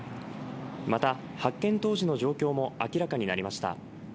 また、発見当時の状況も明らかになりました。